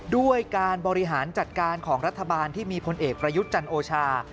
ด้วยการบริหารจัดการของรัฐบาลที่มีพลเอกประยุทธ์จันโอชา